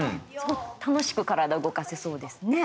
楽しく体動かせそうですね。